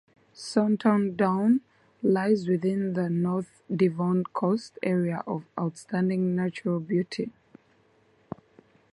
Saunton Down lies within the North Devon Coast Area of Outstanding Natural Beauty.